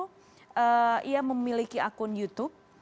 dia memiliki akun youtube